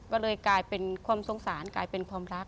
ก็เลยกลายเป็นความสงสารกลายเป็นความรัก